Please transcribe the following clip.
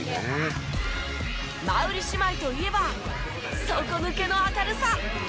馬瓜姉妹といえば底抜けの明るさ。